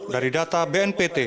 dari data bnpt